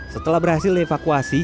setelah berhasil devakuasi